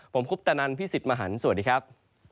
ผมคุปตะนันพี่สิทธิ์มหันฯสวัสดีครับ